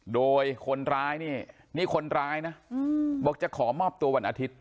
โดยคนร้ายนี่นี่คนร้ายนะบอกจะขอมอบตัววันอาทิตย์